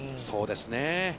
そうですね。